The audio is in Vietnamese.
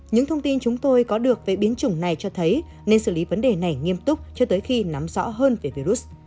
những thông tin chúng tôi có được về biến chủng này cho thấy nên xử lý vấn đề này nghiêm túc cho tới khi nắm rõ hơn về virus